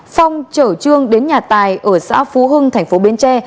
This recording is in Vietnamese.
phong chở trương đến nhà tài ở xã phú hưng tp bến tre